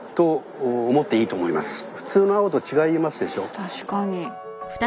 確かに。